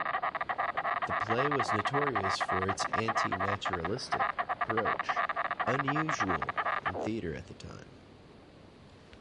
The play was notorious for its anti-naturalistic approach, unusual in theatre at the time.